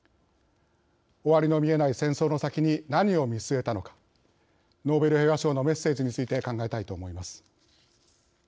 終わりの見えない戦争の先に何を見据えたのかノーベル平和賞のメッセージについて考えたいと思います。